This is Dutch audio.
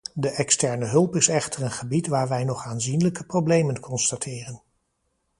De externe hulp is echter een gebied waar wij nog aanzienlijke problemen constateren.